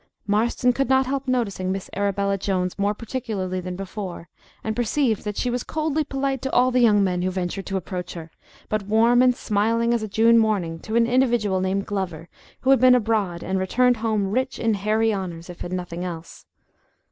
Marston could not help noticing Miss Arabella Jones more particularly than before, and perceived that she was coldly polite to all the young men who ventured to approach her, but warm and smiling as a June morning to an individual named Glover who had been abroad and returned home rich in hairy honours, if in nothing else.